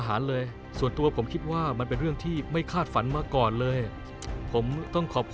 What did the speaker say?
วันนี้คุณต้องไปจากเวทีสตาร์เชฟของเราแล้วนะครับ